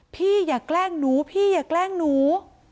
พี่อย่าแกล้งหนูพี่อย่าแกล้งหนู